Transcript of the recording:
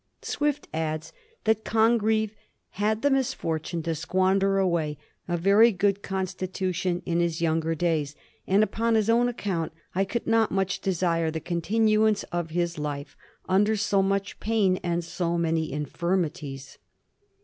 * Swift adds that Congreve 'had the misfortune to squander away a very good constitution in his younger days,' and ' upon his own account I could not much desire the continuance of his life under so much pain and so many infirmities.'